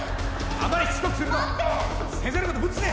あんまりしつこくすると先生のことぶつぜ！